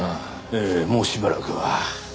ええもうしばらくは。